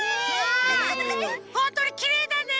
ほんとにきれいだね！